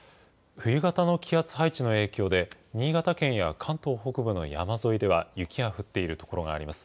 冬型の気圧配置の影響で、新潟県や関東北部の山沿いでは雪が降っている所があります。